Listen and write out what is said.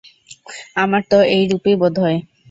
আমার তো এইরূপই বোধ হয়।